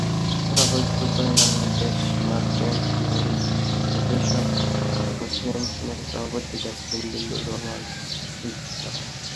সভাপতিত্ব করেন Bangladesh merchant marine officers অ্যাসোসিয়েশনের সভাপতি ক্যাপ্টেন জিল্লুর রহমান ভুঁইঞা।